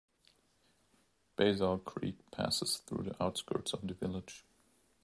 Bazile Creek passes through the outskirts of the village.